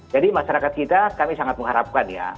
jadi masyarakat kita kami sangat mengharapkan ya